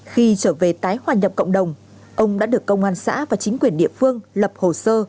khi trở về tái hòa nhập cộng đồng ông đã được công an xã và chính quyền địa phương lập hồ sơ